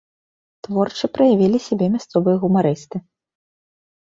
Творча праявілі сябе мясцовыя гумарысты.